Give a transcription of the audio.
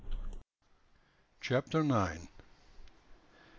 CHAPTER NINE.